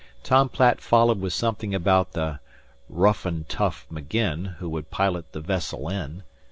Tom Platt followed with something about "the rough and tough McGinn, who would pilot the vessel in."